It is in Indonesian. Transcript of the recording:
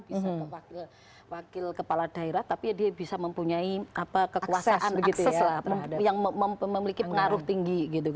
bisa ke wakil kepala daerah tapi dia bisa mempunyai kekuasaan yang memiliki pengaruh tinggi gitu